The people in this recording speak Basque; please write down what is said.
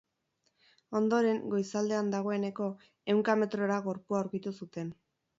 Ondoren, goizaldean dagoeneko, ehunka metrora gorpua aurkitu zuten.